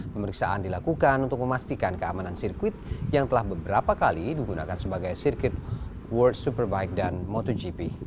pemeriksaan dilakukan untuk memastikan keamanan sirkuit yang telah beberapa kali digunakan sebagai sirkuit world superbike dan motogp